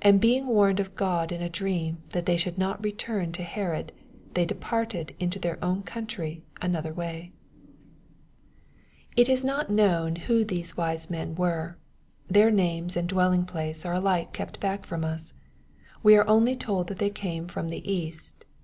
12 And bemg warned of God in a dream that they should not return tt Herod, they departed into their owa (ountiy another way« ] 10 EXPOSITORY THOUOHTS. It is not known who these wise men were. Their names / and dwelling place are alike kept back from us. We are / only told that they came " from the East."